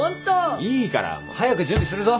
いいから早く準備するぞ。